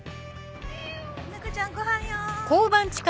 猫ちゃんごはんよ。